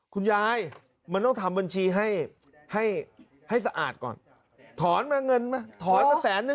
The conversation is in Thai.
คุณยายมันต้องทำบัญชีให้สะอาดก่อนถอนเงินมา๑๐๐๐๐๐บาท